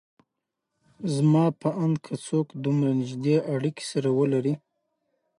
زما په اند که څوک دومره نيږدې اړکې سره ولري